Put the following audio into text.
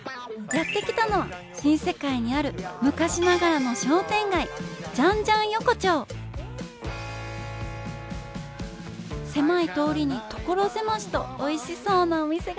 やって来たのは新世界にある昔ながらの商店街狭い通りに所狭しとおいしそうなお店がたくさん。